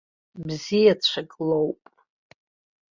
Бзиацәак лоуп.